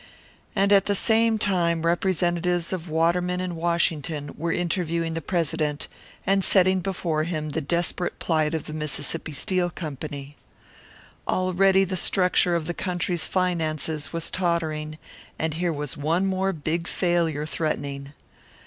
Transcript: And at the same time, representatives of Waterman in Washington were interviewing the President, and setting before him the desperate plight of the Mississippi Steel Company. Already the structure of the country's finances was tottering; and here was one more big failure threatening.